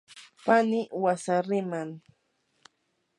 pani wasariman.